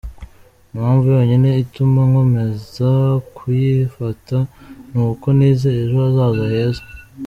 Impamvu yonyine ituma nkomeza kuyifata, ni uko nizeye ejo hazaza heza.